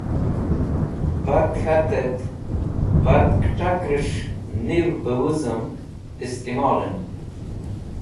Bat k̃hatẽt bat kẽt̃akrẽs̃h niv bẽ wẽzum istimolẽn